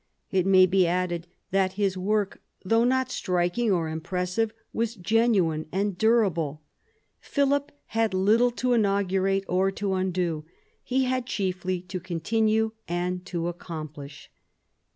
It may be added that his work, though not striking or impressive, was genuine and durable. Philip had little to inaugurate or to undo : he had chiefly to continue and to accomplish.